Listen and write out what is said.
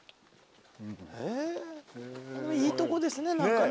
いいとこですね何かね。